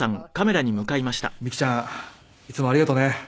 美紀ちゃんいつもありがとうね。